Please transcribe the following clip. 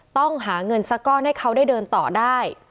ต้องหาเงินสักก้อนให้เขาได้เดินต่อได้